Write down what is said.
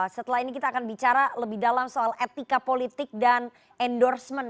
setelah ini kita akan bicara lebih dalam soal etika politik dan endorsement